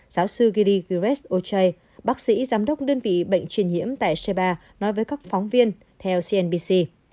giáo sư giri giresh oce bác sĩ giám đốc đơn vị bệnh truyền hiểm tại sheba nói với các phóng viên theo cnbc